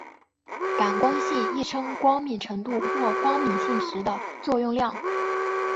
感光性亦称光敏感度或光敏性时的作用量。